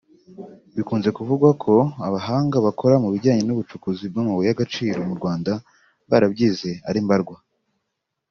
Bikunze kuvugwa ko abahanga bakora mu bijyanye n’ubucukuzi bw’amabuye y’agaciro mu Rwanda barabyize ari mbarwa